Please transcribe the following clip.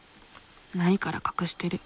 ないから隠してる。